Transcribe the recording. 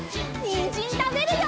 にんじんたべるよ！